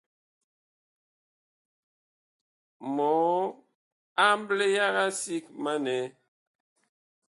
Mɔɔ amble yaga sig ma nɛ !